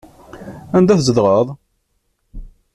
Anda tzedɣeḍ?